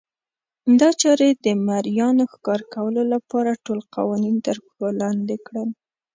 دا چارې د مریانو ښکار کولو لپاره ټول قوانین ترپښو لاندې کړل.